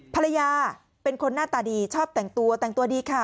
ภรรยาเป็นคนหน้าตาดีชอบแต่งตัวแต่งตัวดีค่ะ